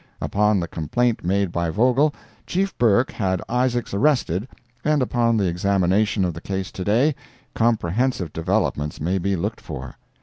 Upon the complaint made by Vogel, Chief Burke had Isaacs arrested, and upon the examination of the case to day, comprehensive developments may be looked for.